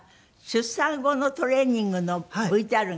出産後のトレーニングですね。